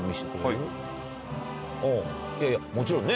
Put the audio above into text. うんいやいやもちろんね。